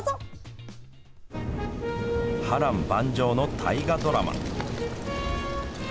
波乱万丈の大河ドラマ。